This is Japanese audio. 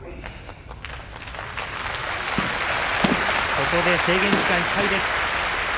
ここで制限時間いっぱいです。